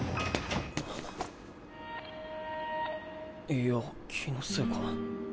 いや気のせいか。